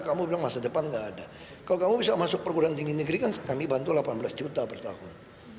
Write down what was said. kalau kamu bisa masuk perguruan tinggi negeri kan kami bantu delapan belas juta per tahun